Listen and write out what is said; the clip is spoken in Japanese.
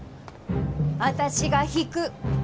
私が引く。